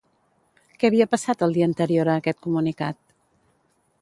Què havia passat el dia anterior a aquest comunicat?